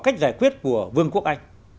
cách giải quyết của vương quốc anh